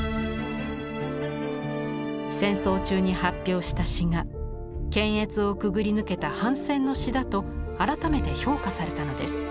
戦争中に発表した詩が検閲をくぐり抜けた反戦の詩だと改めて評価されたのです。